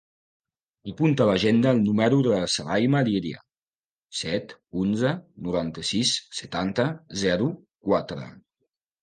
Apunta a l'agenda el número de la Sarayma Liria: set, onze, noranta-sis, setanta, zero, quatre.